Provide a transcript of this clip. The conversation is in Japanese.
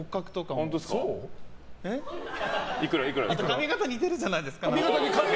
髪形似てるじゃないですか。